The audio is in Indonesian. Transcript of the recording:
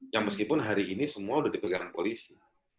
yang meskipun hari ini semua sudah dipegang polisi